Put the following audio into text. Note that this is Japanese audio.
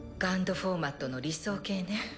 フォーマットの理想形ね。